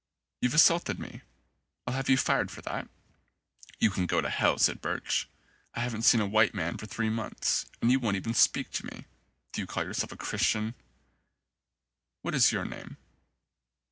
"You've assaulted me. I'll have you fired for that." "You can go to hell," said Birch. "I haven't seen a white man for three months and you won't even speak to me. Do you call yourself a Chris tian?" "What is your name?"